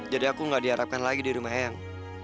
jadi aku gak diharapkan lagi di rumah eyang